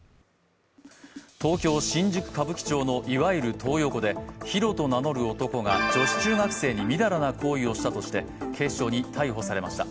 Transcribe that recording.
東京・新宿歌舞伎町のいわゆるトー横でヒロと名乗る男が女子中学生に淫らな行為をしたとして警視庁に逮捕されました。